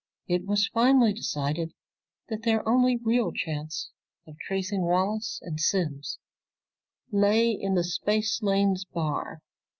It was finally decided that their only real chance of tracing Wallace and Simms lay in the Spacelanes Bar.